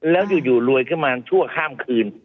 แล้วอยู่รวยขึ้นมาชั่วข้ามคืน